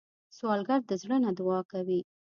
سوالګر د زړه نه دعا کوي